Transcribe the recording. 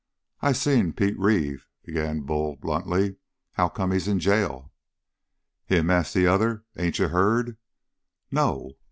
"I seen Pete Reeve," began Bull bluntly. "How come he's in jail?" "Him?" asked the other. "Ain't you heard?" "No."